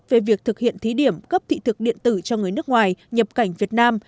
về việc thực hiện thí điểm cấp thị thực điện tử cho người nước ngoài nhập cảnh việt nam